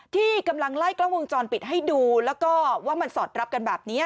ที่กำลังไล่กล้องวงจรปิดให้ดูแล้วก็ว่ามันสอดรับกันแบบนี้